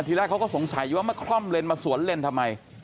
แรกเขาก็สงสัยอยู่ว่ามาคล่อมเลนมาสวนเลนทำไม